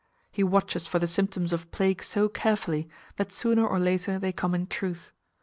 He watches for the symptoms of plague so carefully, that sooner or later they come in truth.